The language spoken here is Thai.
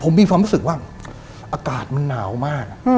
ผมมีความรู้สึกว่าอากาศมันหนาวมาก